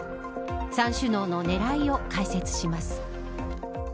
３首脳の狙いを解説します。